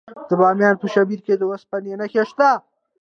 د بامیان په شیبر کې د وسپنې نښې شته.